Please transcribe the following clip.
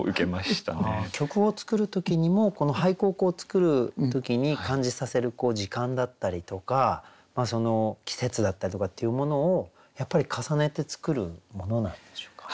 曲を作る時にも俳句を作る時に感じさせる時間だったりとか季節だったりとかっていうものをやっぱり重ねて作るものなんでしょうか？